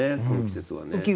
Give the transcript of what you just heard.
この季節はね。